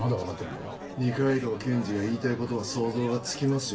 二階堂検事が言いたい事は想像がつきますよ。